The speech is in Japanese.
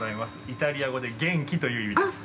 イタリア語で「元気」という意味です。